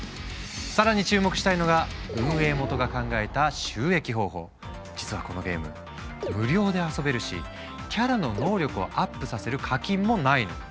更に注目したいのが実はこのゲーム無料で遊べるしキャラの能力をアップさせる課金もないの。